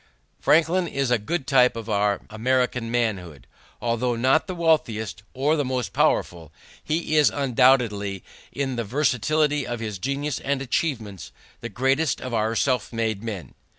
Franklin is a good type of our American manhood. Although not the wealthiest or the most powerful, he is undoubtedly, in the versatility of his genius and achievements, the greatest of our self made men.